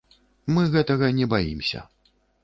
Мы гэтага не баімся.